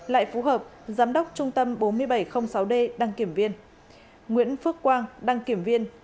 lại phú hợp giám đốc trung tâm bốn nghìn bảy trăm linh sáu d đăng kiểm viên nguyễn phước quang đăng kiểm viên